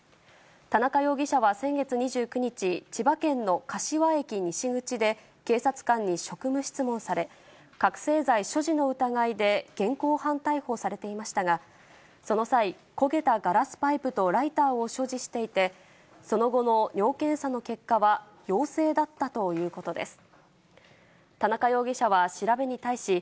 田中容疑者は先月２９日、千葉県の柏駅西口で、警察官に職務質問され、覚醒剤所持の疑いで現行犯逮捕されていましたが、その際、焦げたガラスパイプとライターを所持していて、その後の尿検査の結果は陽性だったということです。